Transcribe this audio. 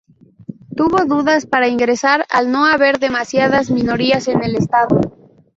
Tuvo dudas para ingresar al no haber demasiadas minorías en el estado.